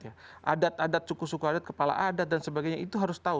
adat adat suku suku adat kepala adat dan sebagainya itu harus tahu